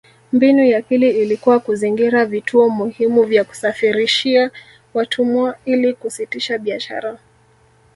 Mbinu ya pili ilikuwa kuzingira vituo muhimu vya kusafirishia watumwa ili kusitisha biashara